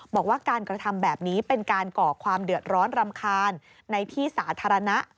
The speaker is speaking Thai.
บอกว่าการกระทำแบบนี้เป็นการก่อความเดือดร้อนรำคาญในที่สาธารณะ